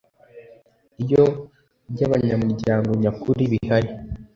iyo by abanyamuryango nyakuri bihari